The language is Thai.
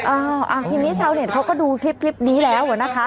อ่าทีนี้ชาวเน็ตเขาก็ดูคลิปนี้แล้วนะคะ